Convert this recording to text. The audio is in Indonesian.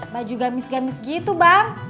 baju gamis gamis gitu bang